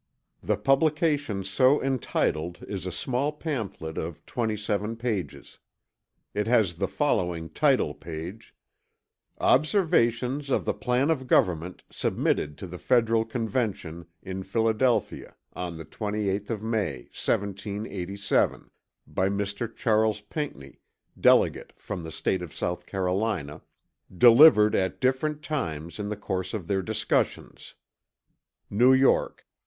The publication so entitled is a small pamphlet of 27 pages. It has the following title page: Observations on the PLAN OF GOVERNMENT Submitted to the FEDERAL CONVENTION in Philadelphia on the 28th of May, 1787 By Mr. Charles Pinckney Delegate from the State of South Carolina DELIVERED AT DIFFERENT TIMES IN THE COURSE OF THEIR DISCUSSIONS. New York.